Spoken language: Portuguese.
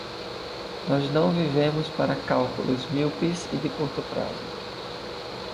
Nós não vivemos para cálculos míopes e de curto prazo.